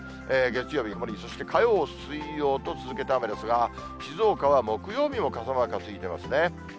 月曜日が曇り、そして火曜、水曜と続けて雨ですが、静岡は木曜日も傘マークがついてますね。